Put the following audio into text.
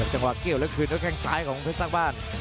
จังหวะเกี่ยวแล้วคืนด้วยแข้งซ้ายของเพชรสร้างบ้าน